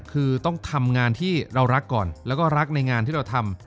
คือต้องทำงานที่เรารักก่อนแล้วก็รักในงานที่เราทำ